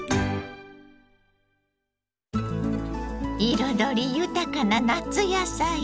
彩り豊かな夏野菜。